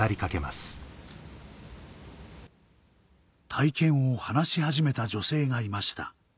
体験を話し始めた女性がいました